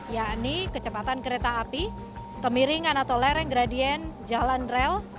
yakni kecepatan kereta api kemiringan atau lereng gradien jalan rel